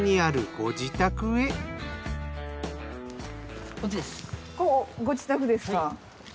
ご自宅ですか。